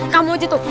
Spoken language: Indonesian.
kamu juga tuh